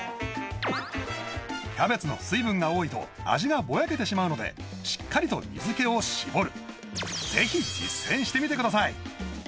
キャベツの水分が多いと味がぼやけてしまうのでしっかりと水けを絞るぜひ実践してみてください